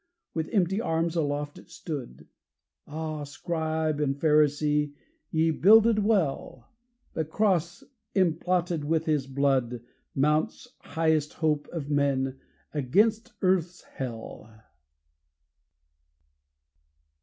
With empty arms aloft it stood: Ah, Scribe and Pharisee, ye builded well! The cross emblotted with His blood Mounts, highest Hope of men, against earth's hell!